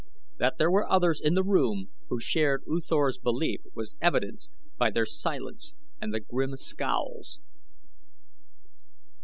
That there were others in the room who shared U Thor's belief was evidenced by the silence and the grim scowls.